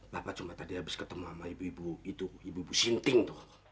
bapak cuma tadi habis ketemu sama ibu ibu itu ibu ibu sinting tuh